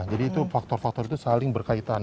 jadi itu faktor faktor itu saling berkaitan